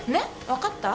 わかった？